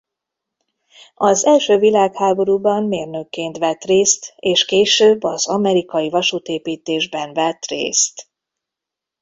Az első világháborúban mérnökként vett részt és később az amerikai vasútépítésben vett részt.